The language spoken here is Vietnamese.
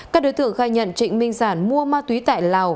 các đối tượng khai nhận trịnh minh sản mua ma túy tại lào